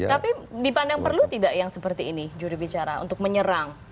tapi dipandang perlu tidak yang seperti ini jurubicara untuk menyerang